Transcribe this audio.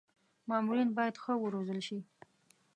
مامورین باید ښه و روزل شي.